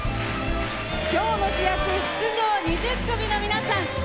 今日の主役、出場２０組の皆さん。